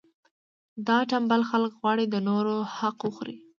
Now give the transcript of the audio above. دا ټنبل خلک غواړي د نورو حق وخوري.